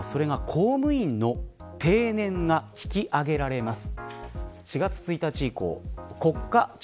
公務員の定年が引き上げられます。